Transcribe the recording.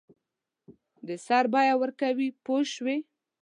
د سر بیه ورکوي پوه شوې!.